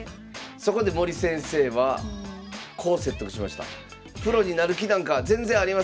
そこで森先生はこう説得しました。